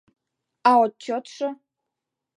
— А отчётшо?